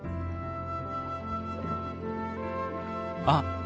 あ！